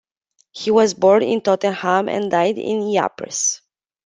He was born in Tottenham and died in Ypres.